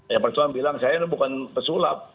yang percaya dia bilang saya ini bukan pesulap